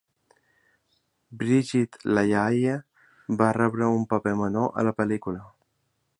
Brigitte Lahaie va rebre un paper menor a la pel·lícula.